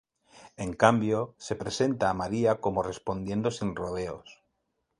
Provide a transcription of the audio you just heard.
En cambio, se presenta a María como respondiendo sin rodeos.